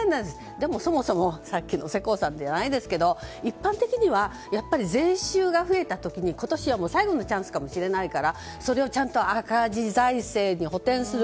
でも、そもそもさっきの世耕さんじゃないですけど一般的にはやっぱり税収が増えた時に今年は最後のチャンスかもしれないからそれをちゃんと赤字財政に補填する。